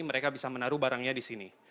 mereka bisa menaruh barangnya di sini